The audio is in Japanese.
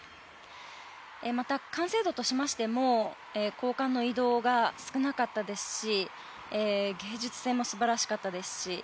また、完成度としても交換の移動が少なかったですし芸術性も素晴らしかったですし